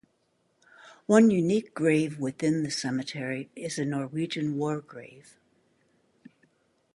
One unique grave within the cemetery is a Norwegian War Grave.